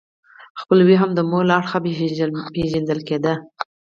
خپلوي هم د مور له اړخه پیژندل کیده.